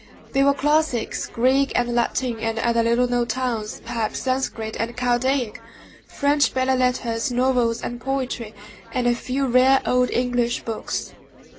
They were classics, Greek and Latin, and other little known tongues perhaps Sanscrit and Chaldaic, French belles lettres, novels, and poetry, and a few rare old English books.